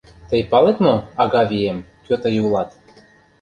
Тый палет мо, Агавием, кӧ тый улат?